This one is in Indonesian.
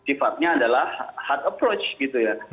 yang sifatnya adalah hard approach gitu ya